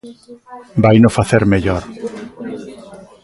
Vaino facer mellor.